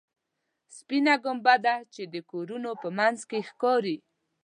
سپینه ګنبده چې د کورونو په منځ کې ښکاري.